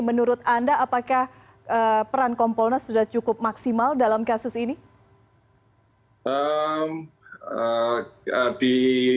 menurut anda apakah peran kompolnas sudah cukup maksimal dalam kasus ini